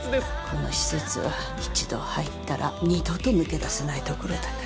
この施設は一度入ったら二度と抜け出せない所だから。